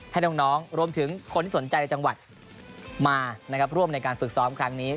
ให้น้องรวมถึงคนที่สนใจในจังหวัดมานะครับร่วมในการฝึกซ้อมครั้งนี้